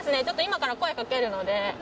ちょっと今から声かけるので。